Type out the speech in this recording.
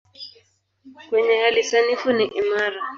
Kwenye hali sanifu ni imara.